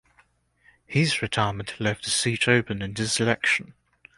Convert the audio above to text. His retirement left the seat open in this election.